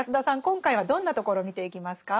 今回はどんなところを見ていきますか？